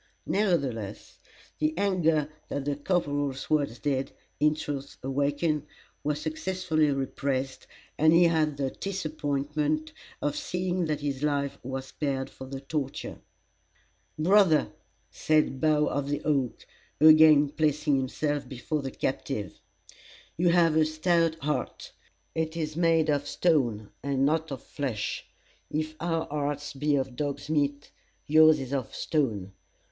Nevertheless, the anger that the corporal's words did, in truth, awaken, was successfully repressed, and he had the disappointment of seeing that his life was spared for the torture. "Brother," said Bough of the Oak, again placing himself before the captive, "you have a stout heart. It is made of stone, and not of flesh. If our hearts be of dog's meat, yours is of stone.